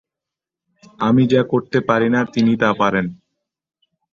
আমি যা করতে পারি না তিনি তা পারেন।